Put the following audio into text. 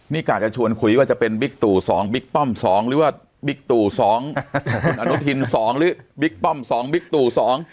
นี่กะจะชวนคุยว่าจะเป็นบิ๊กตู่๒บิ๊กป้อม๒หรือว่าบิ๊กตู่๒หรือบิ๊กป้อม๒บิ๊กตู่๒